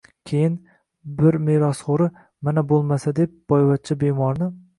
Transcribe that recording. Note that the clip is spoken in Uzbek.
Keyin, bir merosxo‘ri, mana bo‘lmasa deb, boyvachcha bemorni...